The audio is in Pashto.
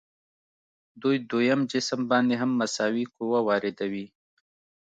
دوی دویم جسم باندې هم مساوي قوه واردوي.